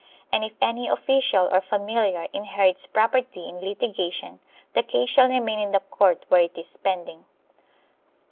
And if any official or familiar inherits property in litigation the case shall remain in the court where it is pending.